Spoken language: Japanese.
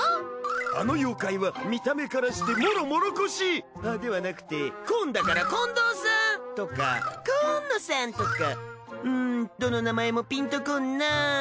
あの妖怪は見た目からしてもろモロコシではなくてコーンだからコーン藤さんとかコーン野さんとかうんどの名前もピンとこんな。